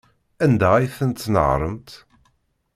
Anda ay ten-tnehṛemt?